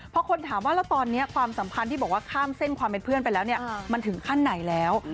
พอคนถามว่าแล้วตอนนี้ความสัมพันธ์ที่บอกว่าข้ามเส้นความเป็นเพื่อนไปแล้วเนี่ยมันถึงขั้นไหนแล้ว